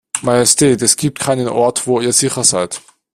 Majestät, es gibt keinen Ort wo ihr hier sicher seid.